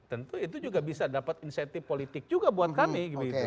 tentu itu juga bisa dapat insentif politik juga buat kami